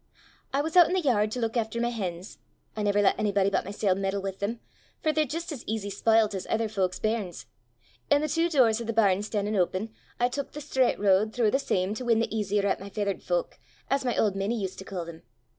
"I was oot i' the yard to luik efter my hens I never lat onybody but mysel' meddle wi' them, for they're jist as easy sp'ilt as ither fowk's bairns; an' the twa doors o' the barn stan'in' open, I took the straucht ro'd throuw the same to win the easier at my feathert fowk, as my auld minnie used to ca' them.